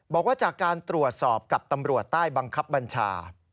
บอกว่าจากการตรวจสอบกับตำรวจใต้บังคับบัญชา